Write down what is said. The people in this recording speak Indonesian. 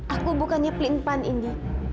aku bukannya pelin pelan ini